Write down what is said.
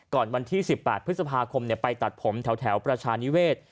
วันที่๑๘พฤษภาคมไปตัดผมแถวประชานิเวศ